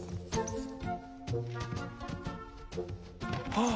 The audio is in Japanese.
ああ！